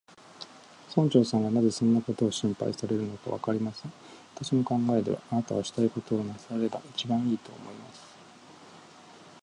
村長さんがなぜそんなことを心配されるのか、わかりません。私の考えでは、あなたはしたいことをなさればいちばんいい、と思います。